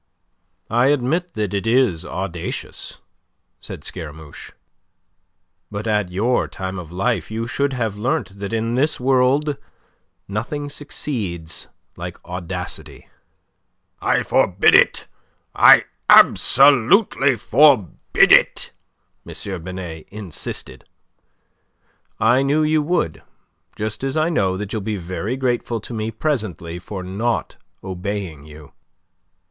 "I admit that it is audacious," said Scaramouche. "But at your time of life you should have learnt that in this world nothing succeeds like audacity." "I forbid it; I absolutely forbid it," M. Binet insisted. "I knew you would. Just as I know that you'll be very grateful to me presently for not obeying you."